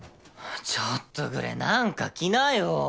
ちょっとぐれなんか着なよ！